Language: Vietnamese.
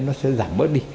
nó sẽ giảm bớt đi